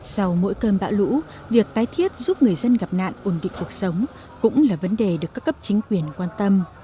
sau mỗi cơn bão lũ việc tái thiết giúp người dân gặp nạn ổn định cuộc sống cũng là vấn đề được các cấp chính quyền quan tâm